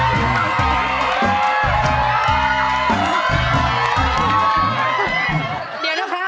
พ่อเชื่อมันในตัวลูกพ่อได้